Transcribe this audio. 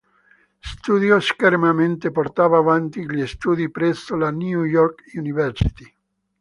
Studiò scherma mentre portava avanti gli studi presso la New York University.